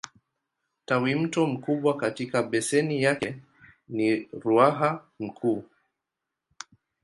Tawimto mkubwa katika beseni yake ni Ruaha Mkuu.